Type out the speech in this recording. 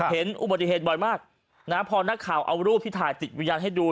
เห็นอุบัติเหตุบ่อยมากนะพอนักข่าวเอารูปที่ถ่ายติดวิญญาณให้ดู